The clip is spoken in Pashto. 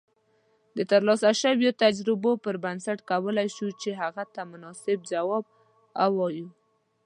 د ترلاسه شويو تجربو پر بنسټ کولای شو چې هغې ته مناسب جواب اوایو